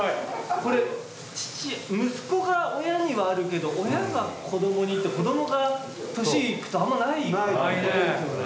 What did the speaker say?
これ父「息子が親に」はあるけど「親が子どもに」って子どもが年いくとあんまないですよね。